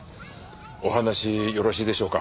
お話よろしいでしょうか？